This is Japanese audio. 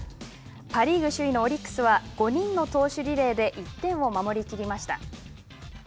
パ・リーグ首位のオリックスは５人の投手リレーで１点を守りきりました。